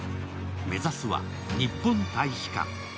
目指すは日本大使館。